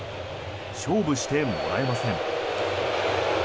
勝負してもらえません。